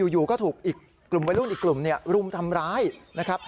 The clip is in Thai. อยู่ก็ถูกอีกกลุ่มวัยรุ่นอีกกลุ่มรุมทำร้ายนะครับ